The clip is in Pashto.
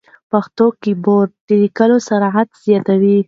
پښتو کیبورډ د لیکلو سرعت زیاتوي.